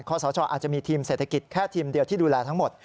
สชอาจจะมีทีมเศรษฐกิจแค่ทีมเดียวที่ดูแลทั้งหมด